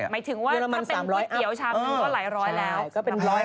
หมายถึงว่าถ้าเป็นก๋วยเตี๋ยวชามนึงก็หลายร้อยแล้วนำพันธุ์มัน๓๐๐อัพ